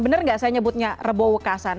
benar nggak saya nyebutnya rebo wekasan